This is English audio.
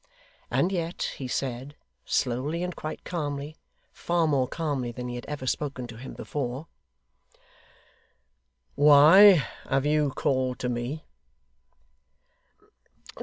And yet he said, slowly and quite calmly far more calmly than he had ever spoken to him before: 'Why have you called to me?